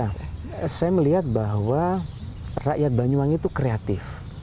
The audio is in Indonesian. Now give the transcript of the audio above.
nah saya melihat bahwa rakyat banyuwangi itu kreatif